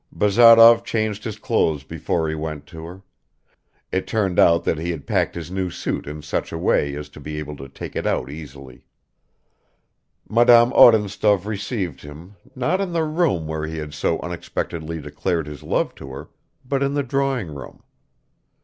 Bazarov changed his clothes before he went to her; it turned out that he had packed his new suit in such a way as to be able to take it out easily. Madame Odintsov received him, not in the room where he had so unexpectedly declared his love to her, but in the drawing room.